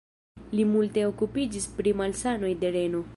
Li multe okupiĝis pri malsanoj de reno.